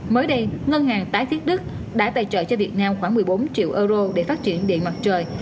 mới đây ngân hàng tái thiết đức đã tài trợ cho việt nam khoảng một mươi bốn triệu euro để phát triển điện mặt trời